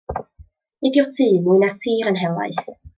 Nid yw'r tŷ, mwy na'r tir, yn helaeth.